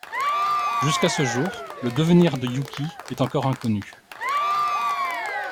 Jusqu'à ce jour, le devenir de Youki est encore inconnu.